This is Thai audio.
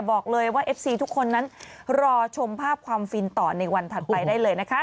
บอกเลยว่าเอฟซีทุกคนนั้นรอชมภาพความฟินต่อในวันถัดไปได้เลยนะคะ